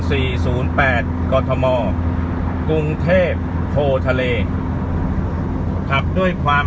สี่ศูนย์แปดกอร์ธมอร์กรุงเทพฯโคทะเลขับด้วยความ